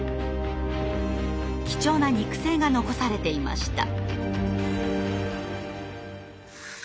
貴重な肉声が残されていました。